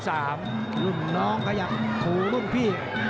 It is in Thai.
หลุ่นน้องขยับถั่วหลุ่นพี่